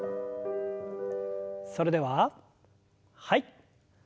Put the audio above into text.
それでははい。